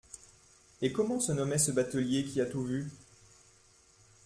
Et comment se nommait ce batelier qui a tout vu ?